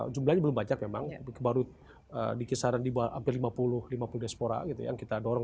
jumlahnya belum banyak memang baru di kisaran di bawah hampir lima puluh lima puluh diaspora gitu yang kita dorong